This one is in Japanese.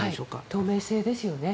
透明性ですよね。